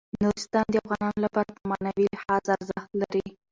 نورستان د افغانانو لپاره په معنوي لحاظ ارزښت لري.